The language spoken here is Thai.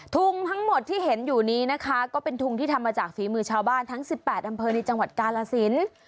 ทุ่งทั้งหมดที่เห็นอยู่นี้นะคะก็เป็นทุ่งที่ทำมาจากฝีมือชาวบ้านทั้ง๑๘อำนาคตงดนตราสิน